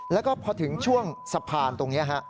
แล้วก็พอถึงช่วงสะพานตรงนี้ฮะ